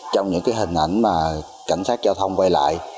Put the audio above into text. trong những hình ảnh mà cảnh sát giao thông quay lại